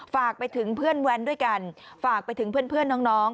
ฝากไปถึงเพื่อนแว้นด้วยกันฝากไปถึงเพื่อนน้อง